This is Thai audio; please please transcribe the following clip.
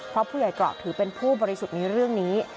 เพราะผู้ใหญ่เกราะถือเป็นผู้บริสุทธิ์ในเรื่องนี้